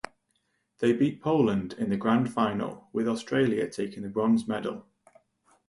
They beat Poland in the Grand Final with Australia taking the bronze medal.